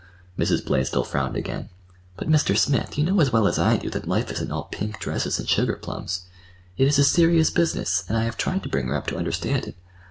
Mrs. Blaisdell frowned again. "But, Mr. Smith, you know as well as I do that life isn't all pink dresses and sugar plums. It is a serious business, and I have tried to bring her up to understand it.